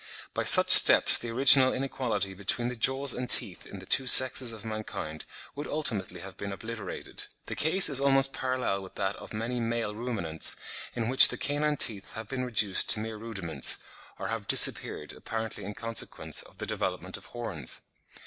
By such steps the original inequality between the jaws and teeth in the two sexes of mankind would ultimately have been obliterated. The case is almost parallel with that of many male Ruminants, in which the canine teeth have been reduced to mere rudiments, or have disappeared, apparently in consequence of the development of horns.